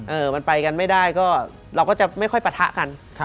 มันไปกันไม่ได้ก็เราก็จะไม่ค่อยปะทะกัน